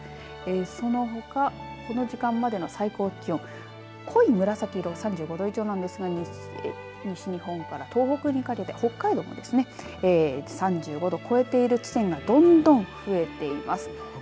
そのほかこの時間までの最高気温濃い紫色、３５度以上なんですが西日本から東北にかけて北海道もですね３５度を超えている地点がどんどん増えています。